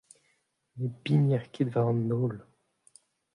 ne bigner ket war an daol.